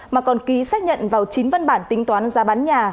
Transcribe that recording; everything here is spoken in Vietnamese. mà còn ký xác nhận vào chín văn bản tính toán giá bán nhà